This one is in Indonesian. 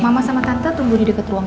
mama sama tante tunggu di deket ruang